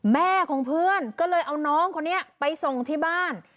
แม่ของเพื่อนก็เลยเอาน้องคนนี้ไปส่งที่บ้าน